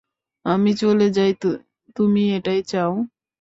আমি চলে যাই তুমি এটাই চাও?